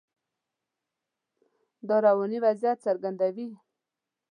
دا رواني وضعیت څرګندوي.